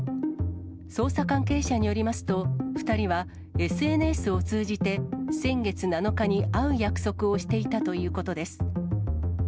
捜査関係者によりますと、２人はＳＮＳを通じて、先月７日に会う約束をしていたということです。